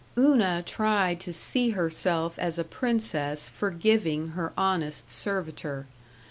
Una tried to see herself as a princess forgiving her honest servitor.